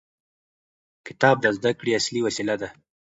کتاب د زده کړې اصلي وسیله ده.